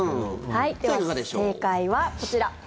では正解はこちら。